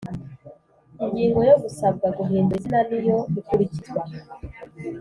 Ingingo yo gusabwa guhindura izina niyo ikurikizwa